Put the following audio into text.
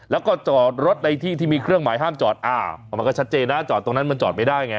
แล้วก็จอดรถในที่ที่มีเครื่องหมายห้ามจอดอ่ามันก็ชัดเจนนะจอดตรงนั้นมันจอดไม่ได้ไง